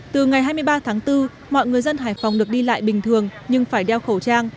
từ ngày hai mươi ba tháng bốn mọi người dân hải phòng được đi lại bình thường nhưng phải đeo khẩu trang